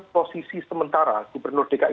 posisi sementara gubernur dki